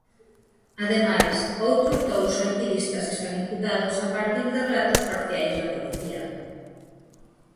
Ademais, outros dous activistas están imputados a partir de relatos parciais da policía.